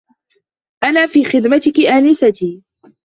أنا في خدمتكِ، أنستي.